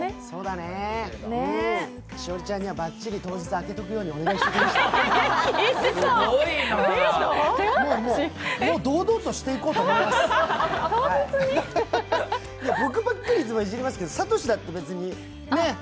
そうだね。